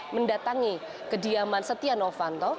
mendatangi kediaman setia novanto